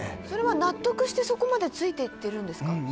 それは納得してそこまでついていってるんですか？